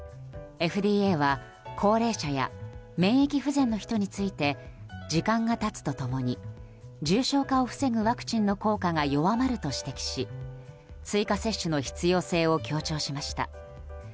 ＦＤＡは高齢者や免疫不全の人について時間が経つと共に重症化を防ぐワクチンの効果が弱まると指摘し追加接種の必要性を強調しました。